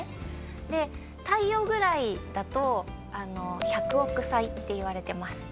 で太陽ぐらいだと１００億歳っていわれてます。